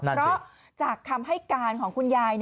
เพราะจากคำให้การของคุณยาย